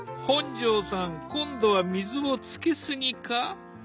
本上さん今度は水をつけすぎか？